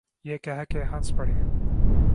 یہ کہہ کے ہنس پڑے۔